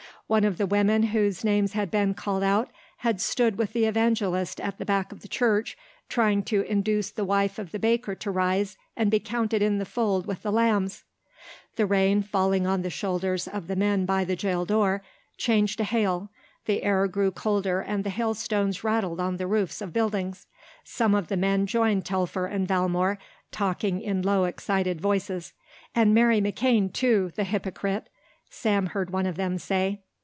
One of the women whose names had been called out had stood with the evangelist at the back of the church trying to induce the wife of the baker to rise and be counted in the fold with the lambs. The rain, falling on the shoulders of the men by the jail door, changed to hail, the air grew colder and the hailstones rattled on the roofs of buildings. Some of the men joined Telfer and Valmore, talking in low, excited voices. "And Mary McKane, too, the hypocrite," Sam heard one of them say.